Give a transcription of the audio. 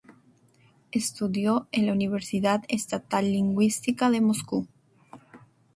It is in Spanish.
Estudió en la Universidad Estatal Lingüística de Moscú.